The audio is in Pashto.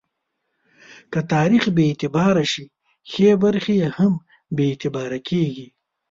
که تاریخ بې اعتباره شي، ښې برخې یې هم بې اعتباره کېږي.